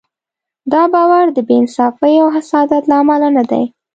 دا باور د بې انصافۍ او حسادت له امله نه دی.